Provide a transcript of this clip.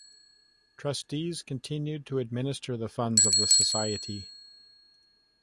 Trustees continued to administer the funds of the Society.